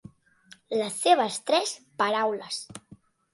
Les seves tres paraules.